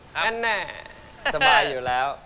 แน่สบายอยู่แล้ว